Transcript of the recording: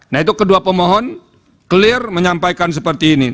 nah itu kedua pemohon clear menyampaikan seperti ini